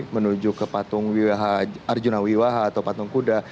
menuju ke patung arjuna wiwaha atau patung kuda